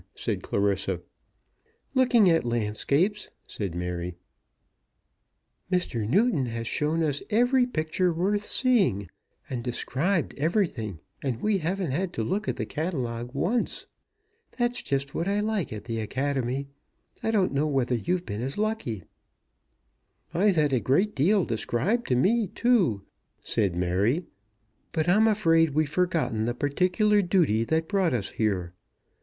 said Clarissa. "Looking at landscapes," said Mary. "Mr. Newton has shown us every picture worth seeing, and described everything, and we haven't had to look at the catalogue once. That's just what I like at the Academy. I don't know whether you've been as lucky." "I've had a great deal described to me too," said Mary; "but I'm afraid we've forgotten the particular duty that brought us here."